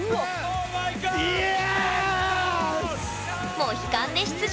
モヒカンで出場！